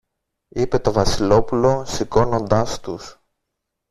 είπε το Βασιλόπουλο σηκώνοντας τους